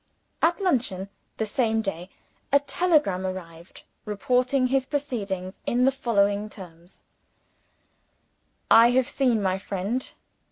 At luncheon, the same day, a telegram arrived, reporting his proceedings in the following terms: "I have seen my friend.